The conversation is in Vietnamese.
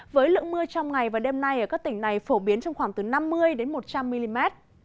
với lượng mưa trong ngày và đêm nay ở các tỉnh này phổ biến trong khoảng từ năm mươi một trăm linh mm